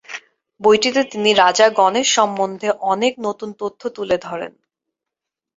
বইটিতে তিনি রাজা গণেশ সম্বন্ধে অনেক নতুন তথ্য তুলে ধরেন।